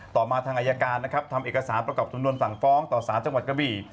ต่อมาทางอายการนะครับทำเอกสารประกอบสำนวนสั่งฟ้องต่อสารจังหวัดกระบี่